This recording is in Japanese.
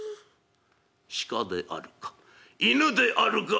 「鹿であるか犬であるか」。